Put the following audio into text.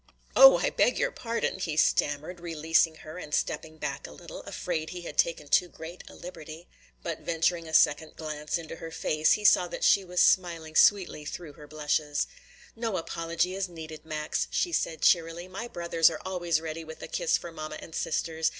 "Oh, I beg your pardon!" he stammered, releasing her and stepping back a little, afraid he had taken too great a liberty. But venturing a second glance into her face, he saw that she was smiling sweetly through her blushes. "No apology is needed, Max," she said cheerily. "My brothers are always ready with a kiss for mamma and sisters.